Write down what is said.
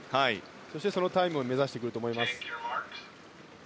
そしてそのタイムを目指してくると思います。